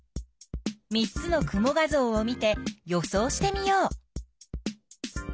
３つの雲画ぞうを見て予想してみよう。